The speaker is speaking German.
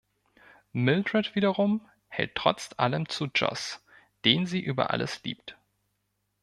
Mildred wiederum hält trotz allem zu Joss, den sie über alles liebt.